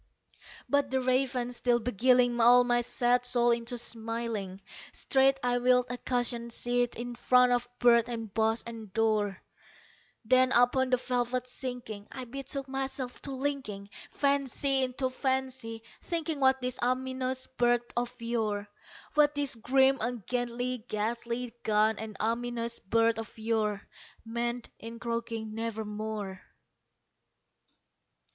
'" But the Raven still beguiling all my sad soul into smiling, Straight I wheeled a cushioned seat in front of bird and bust and door; Then, upon the velvet sinking, I betook myself to linking Fancy unto fancy, thinking what this ominous bird of yore What this grim, ungainly, gaunt, and ominous bird of yore Meant in croaking "Nevermore."